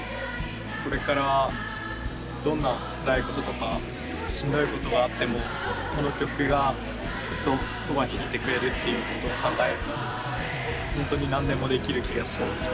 これからどんなつらいこととかしんどいことがあってもこの曲がずっとそばにいてくれるっていうことを考えると本当に何でもできる気がします。